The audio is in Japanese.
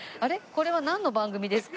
これはなんの番組ですか？